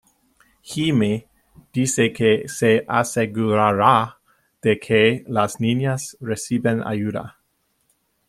Jimmy dice que se asegurará de que las niñas reciben ayuda.